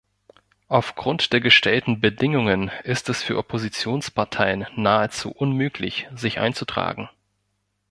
Aufgrund der gestellten Bedingungen ist es für Oppositionsparteien nahezu unmöglich, sich einzutragen.